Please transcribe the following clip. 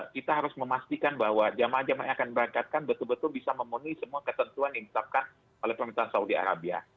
kita harus memastikan bahwa jemaah jemaah yang akan berangkatkan betul betul bisa memenuhi semua ketentuan yang ditetapkan oleh pemerintahan saudi arabia